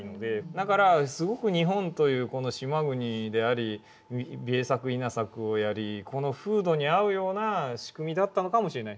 だからすごく日本というこの島国であり米作稲作をやりこの風土に合うような仕組みだったのかもしれない。